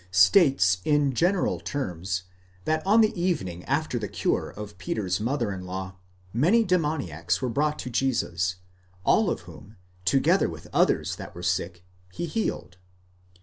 states in general terms, that on the evening after the cure of Peter's mother in law, many demoniacs were brought to Jesus, all of whom, together with others that were sick, he healed.